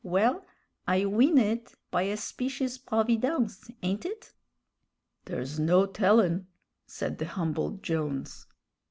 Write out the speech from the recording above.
Well, I win' it by a specious providence, ain't it?" "There's no tellin'," said the humbled Jones.